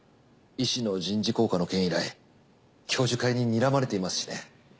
医師の人事考課の件以来教授会ににらまれていますしね。